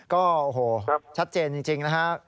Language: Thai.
ก็โอ้โหชัดเจนจริงนะฮะ